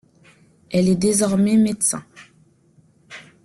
Elle est désormais médecin.